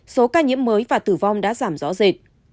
số ca nhiễm mới và tử vong đã giảm rõ rệt